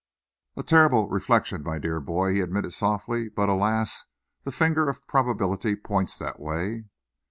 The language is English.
"A terrible reflection, my dear boy," he admitted softly, "but, alas! the finger of probability points that way."